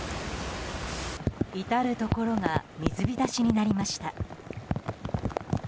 至るところが水浸しになりました。